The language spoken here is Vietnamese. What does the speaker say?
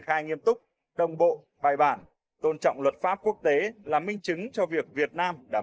khai nghiêm túc đồng bộ bài bản tôn trọng luật pháp quốc tế là minh chứng cho việc việt nam đảm